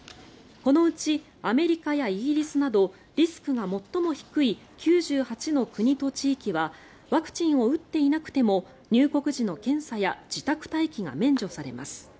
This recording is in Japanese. このうちアメリカやイギリスなどリスクが最も低い９８の国と地域はワクチンを打っていなくても入国時の検査や自宅待機が免除されます。